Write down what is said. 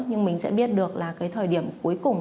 nhưng mình sẽ biết được là cái thời điểm cuối cùng